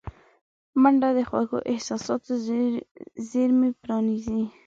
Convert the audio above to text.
منډه د خوږو احساساتو زېرمې پرانیزي